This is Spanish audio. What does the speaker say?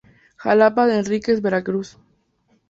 Xalapa de Enríquez, Ver.